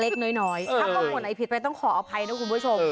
ถ้าข้อมูลไอ้ผิดไปต้องขออภัยนะคุณผู้ชม